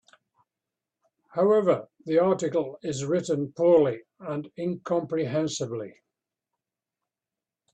However, the article is written poorly and incomprehensibly.